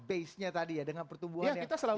basenya tadi ya dengan pertumbuhan yang cukup baik